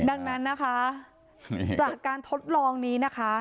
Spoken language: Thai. ดังนั้นนะคะจากการทดลองนี้นะคะ